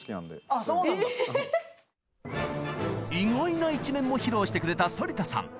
意外な一面も披露してくれた反田さん。